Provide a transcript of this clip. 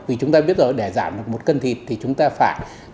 vì chúng ta biết rồi để giảm được một cân thịt thì chúng ta phải tiêu hào